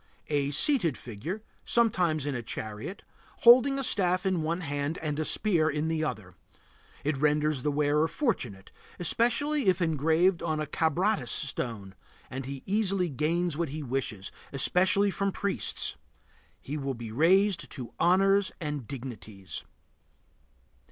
A seated figure, sometimes in a chariot, holding a staff in one hand and a spear in the other. It renders the wearer fortunate, especially if engraved on a Kabratis stone, and he easily gains what he wishes, especially from priests. He will be raised to honors and dignities.